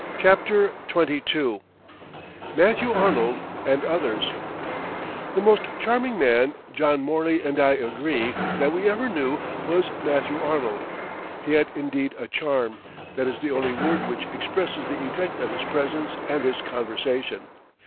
CHAPTER XXII MATHEW ARNOLD AND OTHERS The most charming man, John Morley and I agree, that we ever knew was Matthew Arnold. He had, indeed, "a charm" that is the only word which expresses the effect of his presence and his conversation.